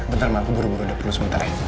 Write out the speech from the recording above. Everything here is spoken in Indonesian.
bentar mampu buru buru udah perlu sementara